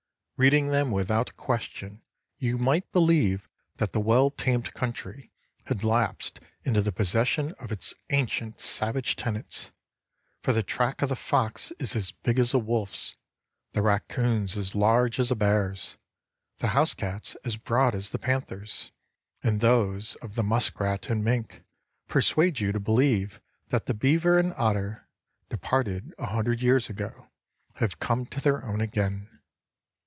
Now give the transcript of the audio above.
Reading them without question, you might believe that the well tamed country had lapsed into the possession of its ancient savage tenants, for the track of the fox is as big as a wolf's, the raccoon's as large as a bear's, the house cat's as broad as the panther's, and those of the muskrat and mink persuade you to believe that the beaver and otter, departed a hundred years ago, have come to their own again.